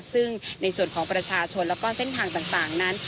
ซึ่งในส่วนของประชาชนแล้วก็เส้นทางต่างนั้น